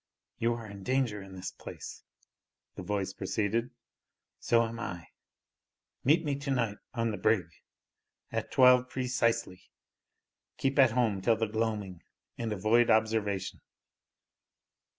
"You are in danger in this place," the voice proceeded; "so am I meet me to night on the Brigg, at twelve preceesely keep at home till the gloaming, and avoid observation."